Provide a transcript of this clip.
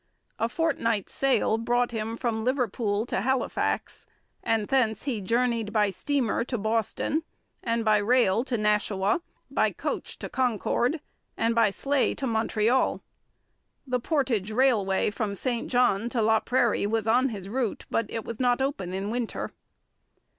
A fortnight's sail brought him from Liverpool to Halifax, and thence he journeyed by steamer to Boston, by rail to Nashua, by coach to Concord, and by sleigh to Montreal. The portage railway from St John to Laprairie was on his route, but it was not open in winter.